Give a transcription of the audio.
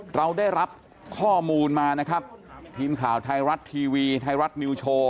เราได้รับข้อมูลมานะครับทีมข่าวไทยรัฐทีวีไทยรัฐนิวโชว์